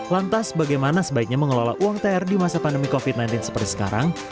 lantas bagaimana sebaiknya mengelola uang thr di masa pandemi covid sembilan belas seperti sekarang